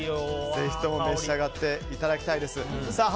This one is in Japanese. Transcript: ぜひとも召し上がっていただきたいです。